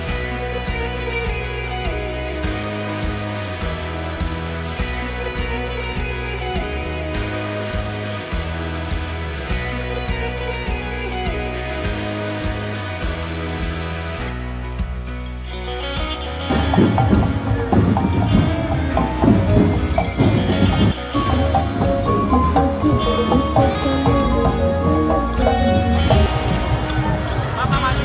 itu ku bingung